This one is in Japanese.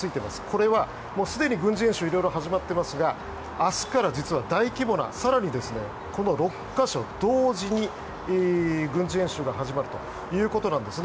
これはもうすでに軍事演習色々始まっていますが明日から実は大規模な更に、この６か所同時に軍事演習が始まるということなんです。